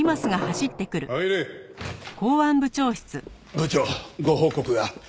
部長ご報告が。